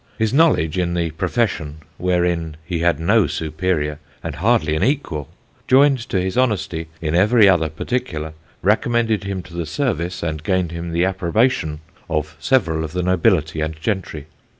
His knowledge in the profession, wherein he had no superior, and hardly an equal, joined to his honesty in every other particular, recommended him to the service, and gained him the approbation, of several of the nobility and gentry.